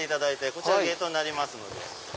こちらゲートになりますので。